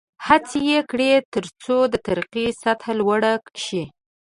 هڅې یې کړې ترڅو د ترقۍ سطحه لوړه شي.